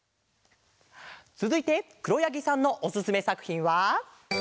つづいてくろやぎさんのおすすめさくひんは。